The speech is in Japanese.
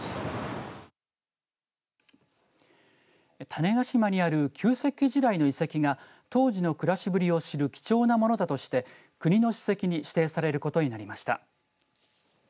種子島にある旧石器時代の遺跡が当時の暮らしぶりを知る貴重なものだとして国の史跡に指定されることになりました。